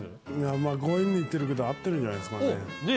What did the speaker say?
強引にいってるけど合ってるんじゃないですかね。ねぇ！